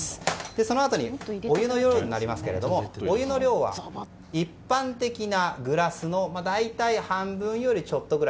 そのあとに、お湯の量なんですがお湯の量は、一般的なグラスの大体、半分よりちょっとくらい。